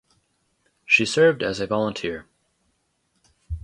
She served as a volunteer.